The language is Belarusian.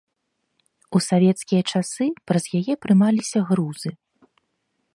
У савецкія часы праз яе прымаліся грузы.